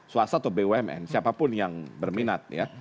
swasta atau bumn siapapun yang berminat ya